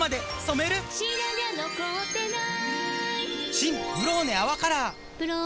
新「ブローネ泡カラー」「ブローネ」